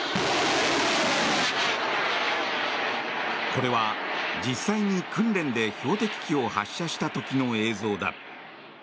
これは実際に訓練で標的機を発射した時の映像だ。